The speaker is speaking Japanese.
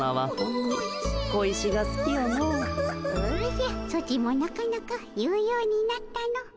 おじゃソチもなかなか言うようになったの。